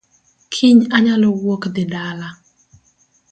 Kiny anyalo wuok dhi dala